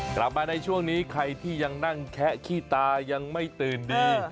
กลับมาในช่วงนี้ใครที่ยังนั่งแคะขี้ตายังไม่ตื่นดี